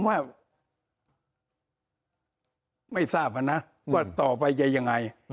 ว่าไม่ทราบนะว่าต่อไปจะยังไง